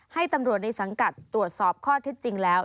ให้ตำรวจในสังกัดตรวจสอบข้อเท็จจริงแล้ว